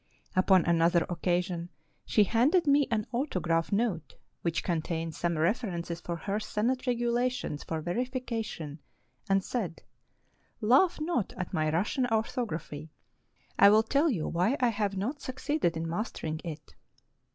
Ill RUSSIA Upon another occasion she handed me an autograph note which contained some references for her Senate Regulations for verification, and said :" Laugh not at my Russian orthography, I will tell you why I have not suc ceeded in mastering it.